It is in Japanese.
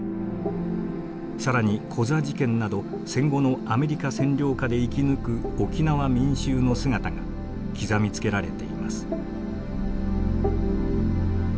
更にコザ事件など戦後のアメリカ占領下で生き抜く沖縄民衆の姿が刻みつけられています。